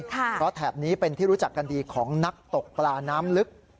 เพราะแถบนี้เป็นที่รู้จักกันดีของนักตกปลาน้ำลึก